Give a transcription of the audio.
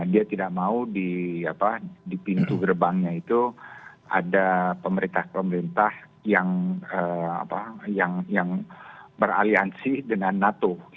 dia tidak mau di pintu gerbangnya itu ada pemerintah pemerintah yang beraliansi dengan nato